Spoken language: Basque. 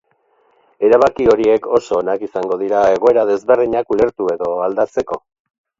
Erabaki horiek oso onak izango dira egoera desberdinak ulertu edo aldatzeko.